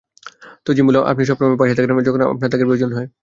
তো, জিম বললো আপনি সবসময় তার পাশে থাকেন যখন তার আপনাকে প্রয়োজন হয়।